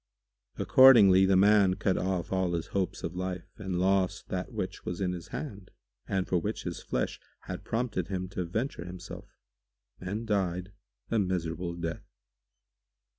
Accordingly the man cut off all his hopes of life and lost that which was in his hand and for which his flesh had prompted him to venture himself, and died a miserable death.